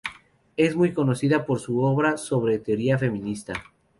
Es muy conocida por su obra sobre teoría feminista.